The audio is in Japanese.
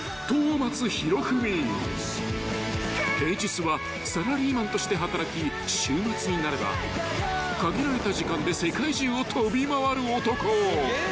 ［平日はサラリーマンとして働き週末になれば限られた時間で世界中を飛び回る男］